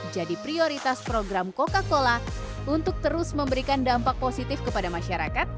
jadi prioritas program coca cola untuk terus memberikan dampak positif kepada masyarakat